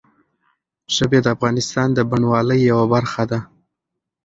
ژبې د افغانستان د بڼوالۍ یوه برخه ده.